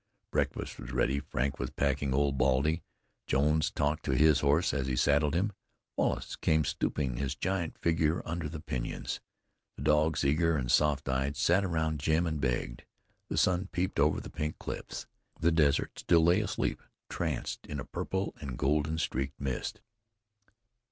Breakfast was ready; Frank was packing Old Baldy; Jones talked to his horse as he saddled him; Wallace came stooping his giant figure under the pinyons; the dogs, eager and soft eyed, sat around Jim and begged. The sun peeped over the Pink Cliffs; the desert still lay asleep, tranced in a purple and golden streaked mist.